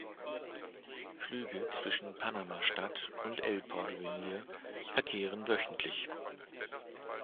Flüge zwischen Panama-Stadt und El Porvenir verkehren wöchentlich.